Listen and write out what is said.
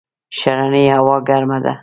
ښرنې هوا ګرمه ده؟